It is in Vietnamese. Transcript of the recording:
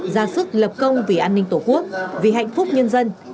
ra sức lập công vì an ninh tổ quốc vì hạnh phúc nhân dân